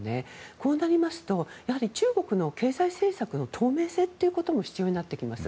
こうなりますと、やはり中国の経済政策の透明性も必要になってきます。